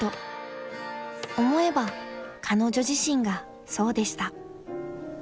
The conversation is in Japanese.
［思えば彼女自身がそうでした］